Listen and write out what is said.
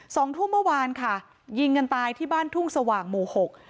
สองทุ่มเมื่อวานค่ะยิงกันตายที่บ้านทุ่งสว่างหมู่หก